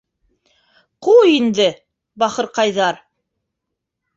— Ҡуй инде, бахырҡайҙар.